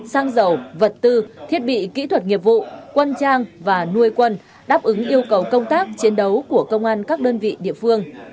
xăng dầu vật tư thiết bị kỹ thuật nghiệp vụ quân trang và nuôi quân đáp ứng yêu cầu công tác chiến đấu của công an các đơn vị địa phương